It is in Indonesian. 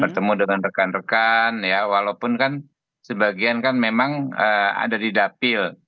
bertemu dengan rekan rekan ya walaupun kan sebagian kan memang ada di dapil